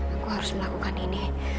aku harus melakukan ini